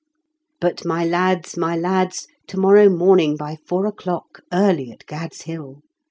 " But, my lads, my lads, t(T morrow morning, by four o'clock, early at GacPs Hill